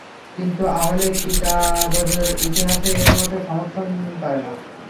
কিন্তু আহলে কিতাবদের ইতিহাস এ মত সমর্থন করে না।